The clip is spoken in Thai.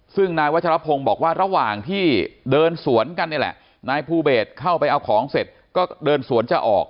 ซึ่งนายวัชรพงศ์บอกว่าระหว่างที่เดินสวนกันนี่แหละนายภูเบสเข้าไปเอาของเสร็จก็เดินสวนจะออก